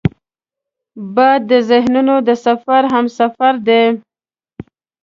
باد د ذهنونو د سفر همسفر دی